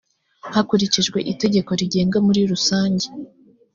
hakurikijwe itegeko rigenga muri rusange